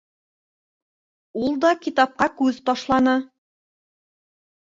— Ул да китапҡа күҙ ташланы.